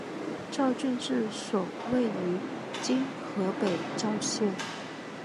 赵郡治所位于今河北赵县。